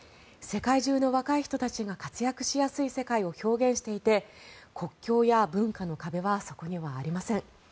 世界中の若い人たちが活躍しやすい世界を表現していて国境や文化の壁はそこにはありません。